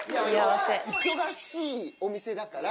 忙しいお店だから。